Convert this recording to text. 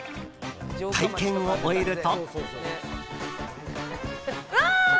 体験を終えると。